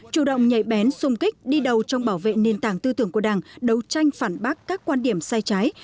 chủ động nhạy bén xung kích đi đầu trong bảo vệ nền tảng tư tưởng của đảng đấu tranh phản bác các quan điểm sai trái